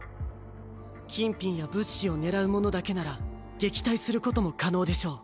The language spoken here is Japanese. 金品や物資を狙うものだけなら撃退することも可能でしょう。